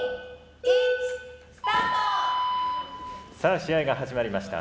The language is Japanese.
さあ試合が始まりました。